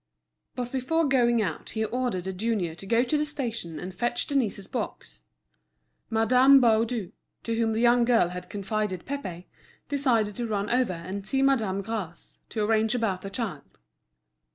But before going out he ordered the junior to go to the station and fetch Denise's box. Madame Baudu, to whom the young girl had confided Pépé, decided to run over and see Madame Gras, to arrange about the child.